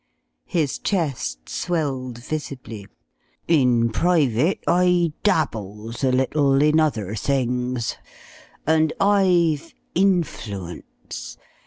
His chest swelled visibly. "In private I dabbles a little in other things. And I've influence.